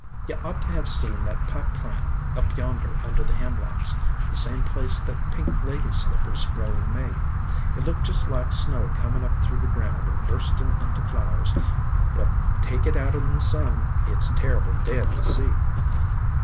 IN SILENT WOODS 97 "Ye ought to have seen that Pipe Plant up yon der under the Hemlocks, the same place that pink Ladies' Slippers grow in May. It looked just like snow comin' up through the ground and burstin* into flowers; but take it out in the sun, it 's terrible dead to see.